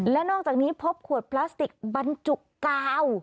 และนอกจากนี้พบขวดพลาสติกบรรจุกาว